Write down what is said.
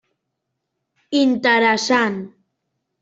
Interessant.